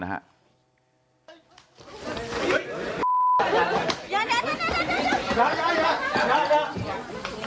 อย่าอย่างนี้